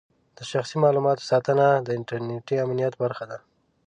د شخصي معلوماتو ساتنه د انټرنېټي امنیت برخه ده.